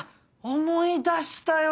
思い出したよ